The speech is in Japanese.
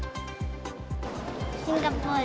シンガポール。